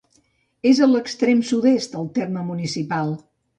És a l'extrem sud-est del terme municipal.